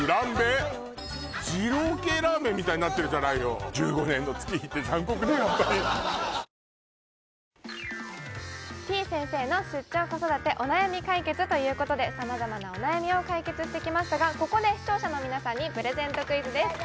濃厚好きには超焼肉キッコーマンてぃ先生の出張子育てお悩み解決ということでさまざまなお悩みを解決してきましたがここで視聴者の皆さんにプレゼントクイズです